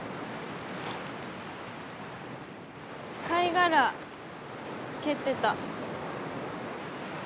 貝殻蹴ってた。